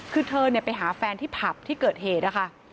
คือเธอไปหาแฟนที่ผับที่เกิดเหตุนะคะ